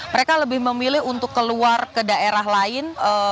mereka lebih memilih untuk keluar ke daerah lain